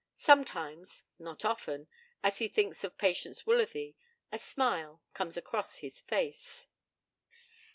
Sometimes, not often, as he thinks of Patience Woolsworthy a smile comes across his face.